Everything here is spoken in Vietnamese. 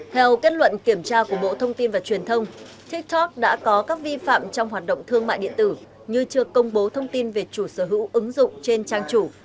theo kết luận kiểm tra của bộ thông tin và truyền thông tiktok đã có các vi phạm trong hoạt động thương mại điện tử như chưa công bố thông tin về chủ sở hữu ứng dụng trên trang chủ